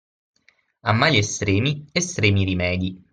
A mali estremi estremi rimedi.